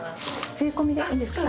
税込みでいいんですか？